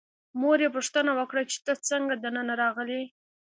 مور یې پوښتنه وکړه چې ته څنګه دننه راغلې.